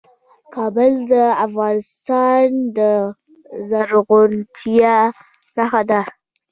کابل د افغانستان د زرغونتیا نښه ده.